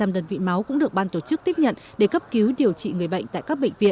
một trăm linh đơn vị máu cũng được ban tổ chức tiếp nhận để cấp cứu điều trị người bệnh tại các bệnh viện